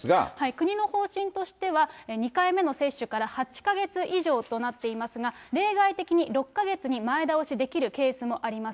国の方針としては２回目の接種から８か月以上となっていますが、例外的に６か月に前倒しできるケースもあります。